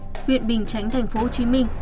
huyện bình chánh tp hcm